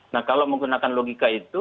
nah kalau menggunakan logika itu